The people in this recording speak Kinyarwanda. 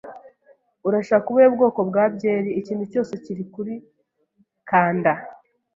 "Urashaka ubuhe bwoko bwa byeri?" "Ikintu cyose kiri kuri kanda."